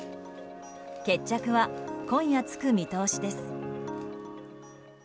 決着は今夜つく見通しです。